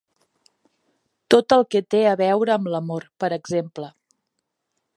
Tot el que té a veure amb l'amor, per exemple.